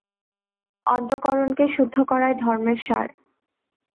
অন্তঃকরণকে শুদ্ধ করাই ধর্মের সার।